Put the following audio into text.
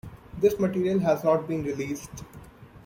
This material has not been released.